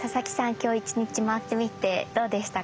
今日一日回ってみてどうでしたか？